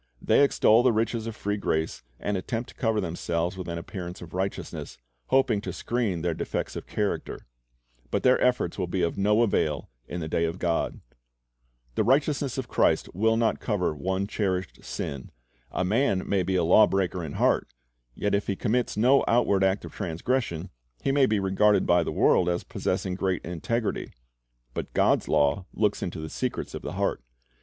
They extol the riches of free grace, and attempt to cover themselves witii an appearance of righteousness, hoping to screen their defects of character; but their efforts will be of no avail in the day of God. The righteousness of Christ will not cover one cherished sin. A man may be a law breaker in heart; yet if he commits no outward act of transgression, he may be regarded by the world as possessing great integrity. But God's law looks into the secrets of the heart.